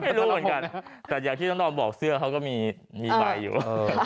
รู้เหมือนกันแต่อย่างที่น้องดอมบอกเสื้อเขาก็มีใบอยู่